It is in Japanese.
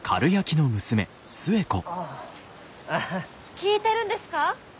聞いてるんですか？